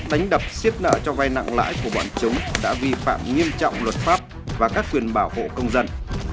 đánh đập xiết nợ cho vay nặng lãi của bọn chúng đã vi phạm nghiêm trọng luật pháp và các quyền bảo hộ công dân